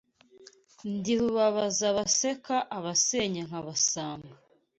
Ndi Rubabaza abaseka abasenya nkabasanga